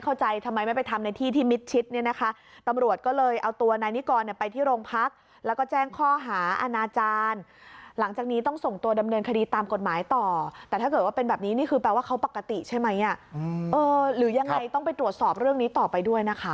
อ๋อเขาทำครึ่งชั่วโมงแล้วนอนทำอยู่อย่างนี้ตลอด